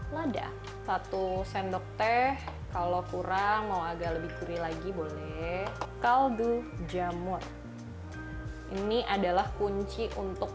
lada satu sendok teh kalau kurang mau agak lebih gurih lagi boleh kaldu jamur ini adalah kunci untuk